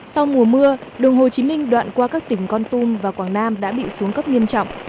sau mùa mưa đường hồ chí minh đoạn qua các tỉnh con tum và quảng nam đã bị xuống cấp nghiêm trọng